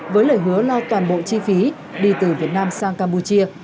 với lời hứa lo toàn bộ chi phí đi từ việt nam sang campuchia